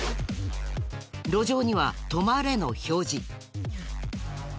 路上には「止まれ」の表示。